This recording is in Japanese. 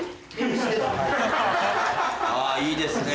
あぁいいですね。